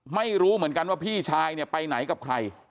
ไม่รู้เหมือนกันว่าพี่ชายเนี่ยไปไหนกับใคร